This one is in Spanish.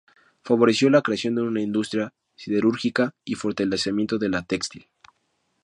Favoreció la creación de una industria siderúrgica y el fortalecimiento de la textil.